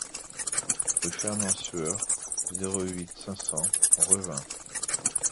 Rue Fernand Sueur, zéro huit, cinq cents Revin